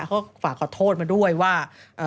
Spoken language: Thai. เขาก็ฝากขอโทษมาด้วยว่า